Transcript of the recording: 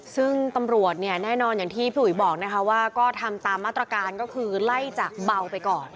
ซึ่งตำรวจเนี่ยแน่นอนอย่างที่พี่อุ๋ยบอกนะคะว่าก็ทำตามมาตรการก็คือไล่จากเบาไปก่อน